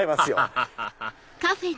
ハハハハ！